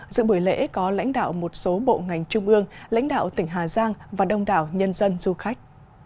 giữa buổi lễ có lãnh đạo một số bộ ngành trung ương lãnh đạo tỉnh hà giang và đông đảo nhân dân du khách